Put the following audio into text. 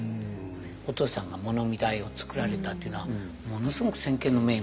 お父さんが物見台を作られたっていうのはものすごく先見の明がありますよね。